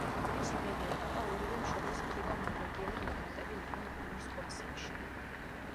მისი ბებია-პაპა ორივე მშობლის მხრიდან ნორვეგიელი ემიგრანტები იყვნენ უისკონსინში.